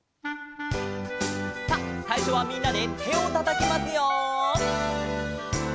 さあさいしょはみんなでてをたたきますよ。